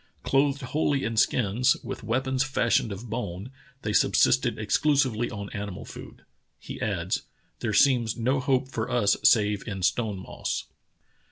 Clothed wholly in skins, with weapons fashioned of bone, they subsisted exclusively on animal food. [He adds:] There seems no hope for us save in stone moss."